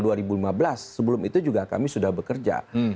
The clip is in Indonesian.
tanggal dua ribu lima belas sebelum itu juga kami sudah bekerja